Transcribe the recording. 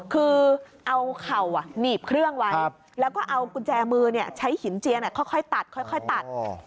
คือเอาเข่าหนีบเครื่องไว้แล้วก็เอากุญแจมือใช้หินเจียนค่อยตัดค่อยตัด